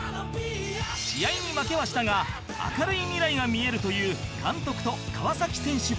試合に負けはしたが明るい未来が見えるという監督と川選手